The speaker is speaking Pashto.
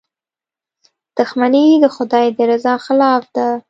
• دښمني د خدای د رضا خلاف ده.